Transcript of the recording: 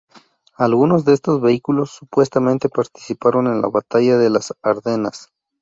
Algunos de estos vehículos supuestamente participaron en la Batalla de las Ardenas.